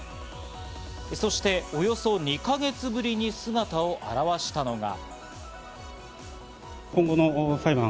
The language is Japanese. そしておよそ２か月ぶりに姿を現したのが。